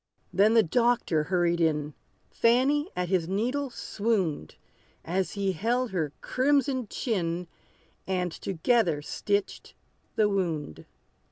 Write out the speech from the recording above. Then the doctor hurried in: Fanny at his needle swooned, As he held her crimson chin, And together stitched the wound.